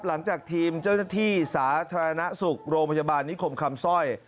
หลังจากทีมเจ้าหน้าที่สาธารณสุขโรงพยาบาลนิคมคำสร้อย